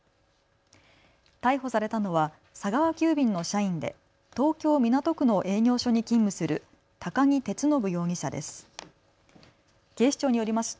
逮捕されたのは佐川急便の社員で東京港区の営業所に勤務する都木徹信容疑者です。